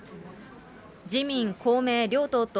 自民、公明両党と、